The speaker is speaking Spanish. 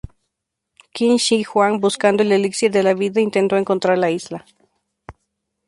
Qin Shi Huang, buscando el elixir de la vida, intentó encontrar la isla.